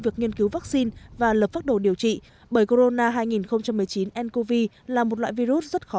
việc nghiên cứu vaccine và lập pháp đồ điều trị bởi corona hai nghìn một mươi chín ncov là một loại virus rất khó